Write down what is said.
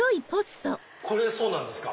これそうなんですか？